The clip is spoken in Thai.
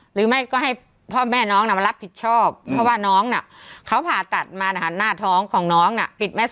หรือไม่ก็ให้พ่อแม่น้องมารับผิดชอบเพราะว่าน้องน่ะเขาผ่าตัดมาหน้าท้องของน้องน่ะ